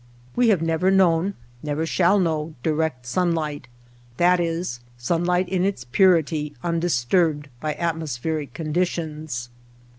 We have never known, never shall know, direct sunlight — that is, sunlight in its purity undisturbed by atmospheric conditions.